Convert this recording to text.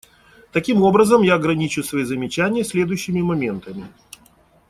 Таким образом, я ограничу свои замечания следующими моментами.